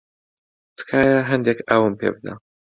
تکایە هەندێک ئاوم پێ بدە.